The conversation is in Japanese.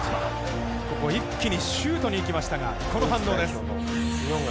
一気にシュートにいきましたがこの反応です。